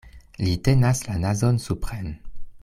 Li tenas la nazon supren.